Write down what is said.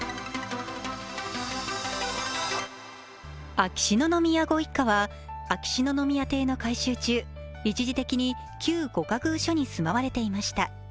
秋篠宮ご一家は、秋篠宮邸が改修中、一時的に旧御仮寓所に住まわれていました。